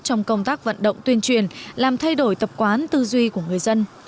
trong công tác vận động tuyên truyền làm thay đổi tập quán tư duy của người dân